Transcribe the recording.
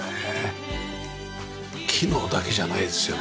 機能だけじゃないですよね。